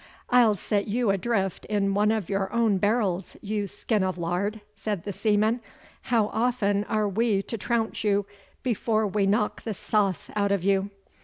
'I'll set you adrift in one of your own barrels, you skin of lard,' said the seaman. 'How often are we to trounce you before we knock the sauce out of you?